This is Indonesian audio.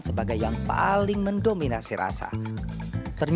sebagai yang paling mendorong